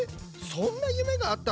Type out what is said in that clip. そんな夢があったの？